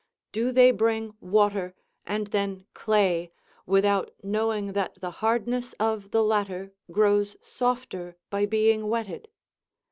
Do they bring water, and then clay, without knowing that the hardness of the latter grows softer by being wetted?